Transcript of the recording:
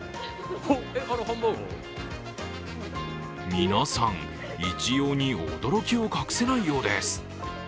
皆さん、一様に驚きを隠せないようです。